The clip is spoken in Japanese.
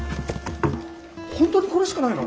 本当にこれしかないの？